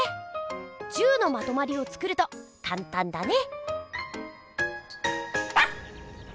１０のまとまりを作るとかんたんだね！